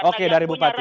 oke dari bupati